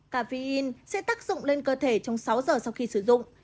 cà vi in sẽ tác dụng lên cơ thể trong sáu giờ sau khi sử dụng